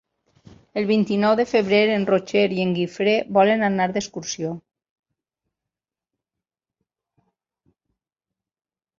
El vint-i-nou de febrer en Roger i en Guifré volen anar d'excursió.